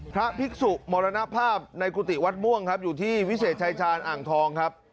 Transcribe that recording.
พระภิกษุมรณภาพในกุฏิวัดม่วงครับอยู่ที่วิเศษชายชาญอ่างทองครับ